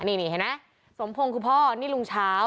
นี่เห็นไหมสมพงศ์คือพ่อนี่ลุงเช้า